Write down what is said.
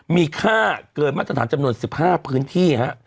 มีค่าเกินมาตรฐานจำนวน๑๕พื้นที่